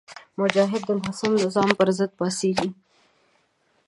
مجاهد د ناسم نظام پر ضد پاڅېږي.